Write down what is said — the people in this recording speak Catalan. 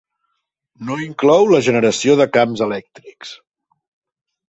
No inclou la generació de camps elèctrics.